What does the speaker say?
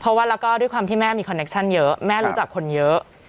เพราะว่าแล้วก็ด้วยความที่แม่มีคอนเคชั่นเยอะแม่รู้จักคนเยอะ